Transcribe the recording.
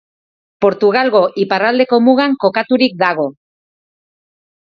Portugalgo iparraldeko mugan kokaturik dago.